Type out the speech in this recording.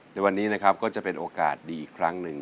ในวันนี้นะครับก็จะเป็นโอกาสดีอีกครั้งหนึ่ง